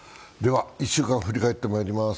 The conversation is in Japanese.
一週間を振り返ってまいります。